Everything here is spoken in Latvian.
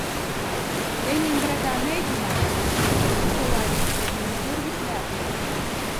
Ļeņingradā mēģinājām apciemot Nikolaju, bet mums durvis neatvēra.